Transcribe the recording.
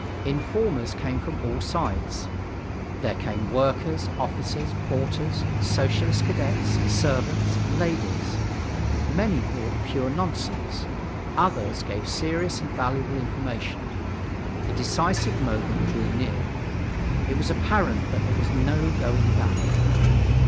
Informers came from all sides. There came workers, officers, porters, Socialist cadets, servants, ladies. Many brought pure nonsense. Others gave serious and valuable information. The decisive moment drew near. It was apparent that there was no going back.